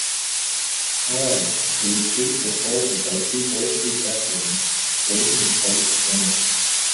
However, the retreat was halted by three Bolshevik airplanes strafing the Polish defenders.